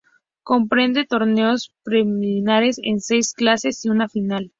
Comprende torneos preliminares en seis clases y una final.